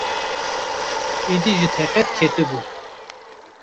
Êdî ji taqet ketibû.